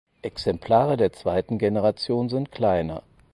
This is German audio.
Exemplare der zweiten Generation sind kleiner.